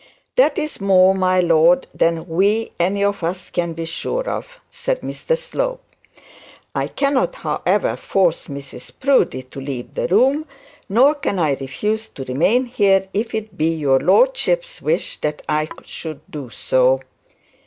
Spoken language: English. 'That is more, my lord, than we any of us can be sure of,' said Mr Slope; 'I cannot, however, force Mrs Proudie to leave the room; nor can I refuse to remain here, if it be your lordship's wish that I should do so.'